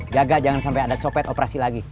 jaga jangan sampai ada copet operasi lagi